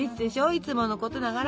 いつものことながら。